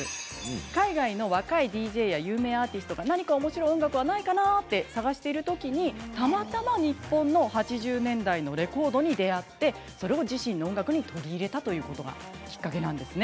海外の若いＤＪや有名アーティストが何かおもしろい音楽はないかなと探している時にたまたま日本の８０年代のレコードに出会って自身の音楽に取り入れたということがきっかけなんです。